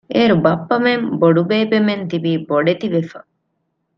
އޭރު ބައްޕަމެން ބޮޑުބޭބެމެން ތިބީ ބޮޑެތި ވެފަ